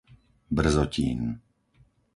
Brzotín